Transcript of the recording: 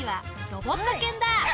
ロボット犬。